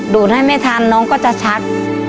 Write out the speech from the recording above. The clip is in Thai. ดูดให้ไม่ทันน้องก็จะชัก